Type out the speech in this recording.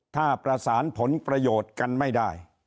ถ้าประสานผลประโยชน์กันไม่ได้